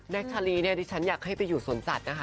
ชาลีเนี่ยดิฉันอยากให้ไปอยู่สวนสัตว์นะคะ